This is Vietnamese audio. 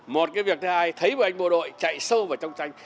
một cái việc thứ hai thấy của anh bộ đội chạy sâu vào trong tranh